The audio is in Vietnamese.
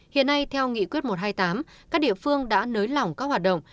hiện nay theo nghị quyết một trăm hai mươi tám các địa phương đã nới lỏng các hoạt động